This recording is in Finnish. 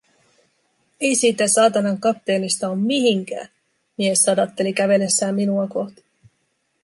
“Ei siitä saatanan kapteenista oo mihinkää!”, mies sadatteli kävellessään minua kohti.